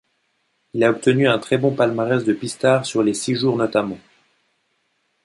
Il a obtenu un très bon palmarès de pistard sur les six jours notamment.